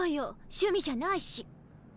趣味じゃないし。